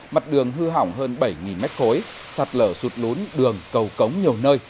mặt đường hư hỏng hơn bảy m ba sạt lở sụt lún đường cầu cống nhiều nơi